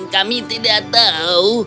kami tidak tahu